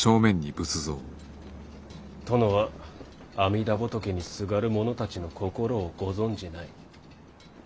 殿は阿弥陀仏にすがる者たちの心をご存じない。